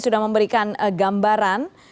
sudah memberikan gambaran